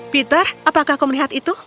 peter apakah kau melihat itu